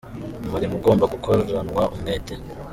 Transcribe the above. Umurimo ugomba gukoranwa umwete